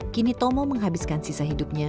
kini tomo menghabiskan sisa hidupnya